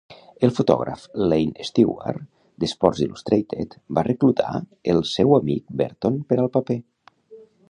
El fotògraf Lane Stewart, d'Sports Illustrated, va reclutar el seu amic Berton per al paper.